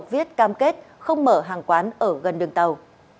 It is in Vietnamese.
viết cam kết không mở hàng quán ở gần đường tàu